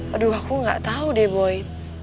aduh aku gak tau deh boy